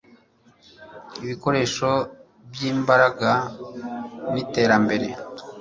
Ibikoresho byimbaraga niterambere